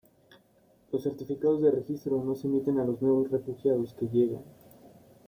Los Certificados de Registro no se emiten a los nuevos refugiados que llegan.